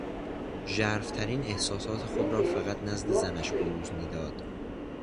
ژرفترین احساسات خود را فقط نزد زنش بروز میداد.